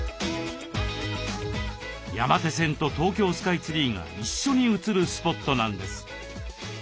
山手線と東京スカイツリーが一緒に写るスポットなんです。